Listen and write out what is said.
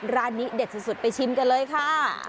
ร้านนี้เด็ดสุดไปชิมกันเลยค่ะ